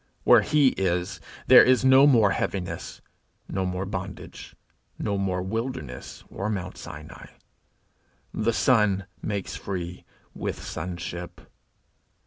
Where he is, there is no more heaviness, no more bondage, no more wilderness or Mount Sinai. The Son makes free with sonship.